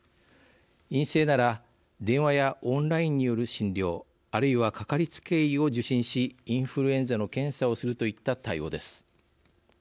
陰性なら電話やオンラインによる診療あるいは、掛かりつけ医を受診しインフルエンザの検査をするといった対応です。